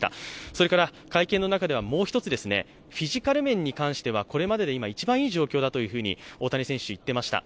それから会見の中ではもう一つ、フィジカル面に関してはこれまでで今、一番いい状況だと大谷選手、言っていました。